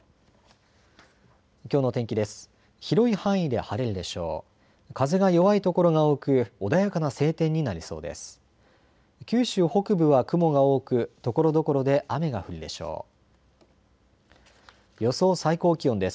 きょうの天気です。